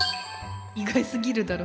意外すぎるだろ。